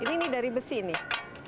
ini dari besi nih